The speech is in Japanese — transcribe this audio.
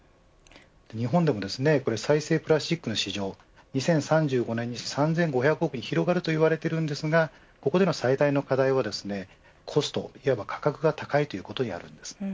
日本でも再生プラスチックの市場２０３５年に３５００億に広がると言われているんですがここでの最大の課題はですねコスト、いわば価格が高いということにあるんです。